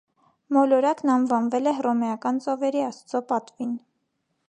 Մոլորակն անվանվել է հռոմեական ծովերի աստծո պատվին։